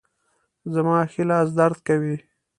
زما ښي لاس درد کوي